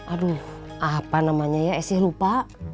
aduh apa namanya ya esnya lupa